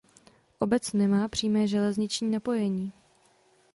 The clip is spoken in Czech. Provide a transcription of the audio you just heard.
Obec nemá přímé železniční napojení.